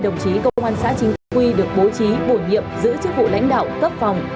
các chiến sĩ công an xã chính quy được bố trí bổ nhiệm giữ chức vụ lãnh đạo cấp phòng